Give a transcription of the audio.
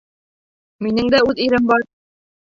Минең дә үҙ ирем бар.